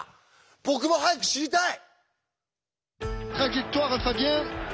僕も早く知りたい！